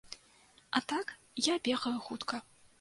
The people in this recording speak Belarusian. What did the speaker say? А так, я бегаю хутка.